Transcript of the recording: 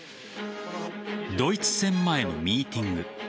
ドイツ戦前のミーティング。